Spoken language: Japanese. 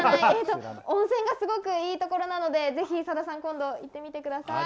温泉がいいところなのでぜひ、さださん今度行ってみてください。